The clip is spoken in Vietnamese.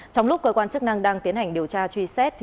trong lúc cơ quan chức năng đang tiến hành điều tra truy xét